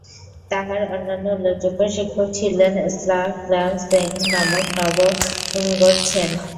তার অন্যান্য উল্লেখযোগ্য শিক্ষক ছিলেন ল্হা-ম্ছোগ-সেং-গে নামক নবম ঙ্গোর-ছেন।